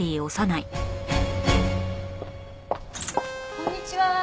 こんにちは。